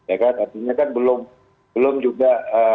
artinya kan belum juga